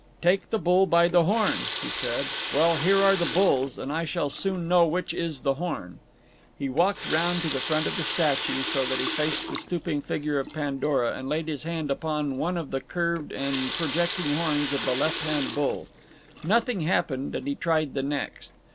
'Take the bull by the horn,' he says. Well, here are the bulls, and I shall soon know which is the horn." He walked round to the front of the statue, so that he faced the stooping figure of Pandora, and laid his hand upon one of the curved and projecting horns of the left hand bull. Nothing happened, and he tried the next.